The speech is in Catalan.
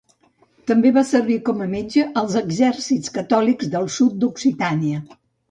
També va servir com a metge als exèrcits catòlics del sud d'Occitània.